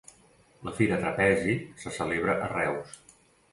La Fira Trapezi se celebra a Reus